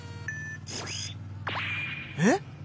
えっ！？